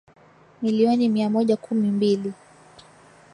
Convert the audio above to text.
milioni mia moja kumi mbili